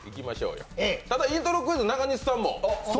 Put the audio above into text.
ただ、イントロクイズは中西さんも？